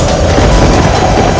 itu udah gila